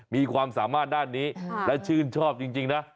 มีความสามารถด้านนี้และชื่นชอบจริงนะ